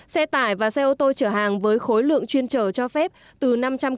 xe tải và xe ô tô chở hàng với khối lượng chuyên chở cho phép từ năm trăm linh kg trở lên